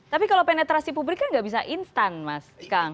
tapi kalau penetrasi publik kan nggak bisa instan mas kang